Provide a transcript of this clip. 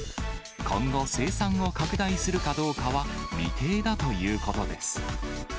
今後、生産を拡大するかどうかは未定だということです。